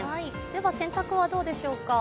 では洗濯はどうでしょうか。